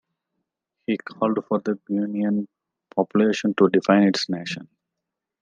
He called for the Guinean population to defend its nation.